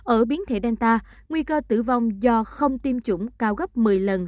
ở biến thể danta nguy cơ tử vong do không tiêm chủng cao gấp một mươi lần